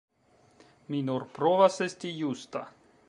Mi nur provas esti justa!